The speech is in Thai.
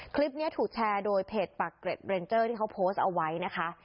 คลิปนี้ถูกแชร์โดยเพจปากเกร็ดเรนเจอร์ที่เขาโพสต์เอาไว้นะคะ